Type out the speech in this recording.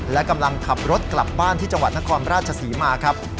และกำลังขับรถกลับบ้านที่จังหวัดนครราชศรีมาครับ